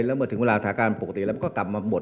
แล้วเมื่อถึงเวลาสถานการณ์ปกติแล้วก็กลับมาหมด